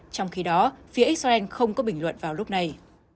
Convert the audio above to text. trong khi đó phía israel không có bình luận vào lúc này